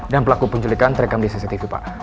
dan pelaku penculikan terekam di cctv pak